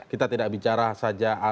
kita tidak bicara saja